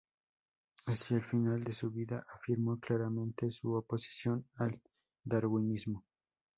Hacia el final de su vida, afirmó claramente su oposición al darwinismo.